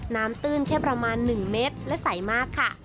น้ำตื้นแค่ประมาณหนึ่งเมตรและใสมากค่ะ